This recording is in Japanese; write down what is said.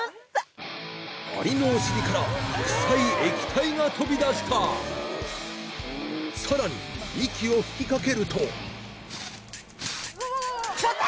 アリのお尻から臭い液体が飛び出したさらに息を吹きかけると臭っ！